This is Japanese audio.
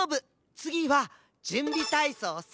つぎはじゅんびたいそうさ。